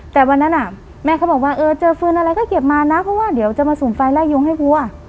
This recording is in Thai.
แต่วันนั้นแม่เขาบอกว่าเออเจอฟืนอะไรก็เก็บมานะเพราะว่าเดี๋ยวจะมาสุ่มไฟไล่ยุงให้วัว